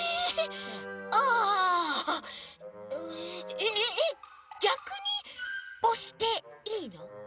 えっえっえっぎゃくにおしていいの？